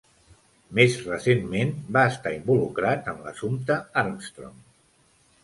Més recentment, va estar involucrat en l'assumpte Armstrong.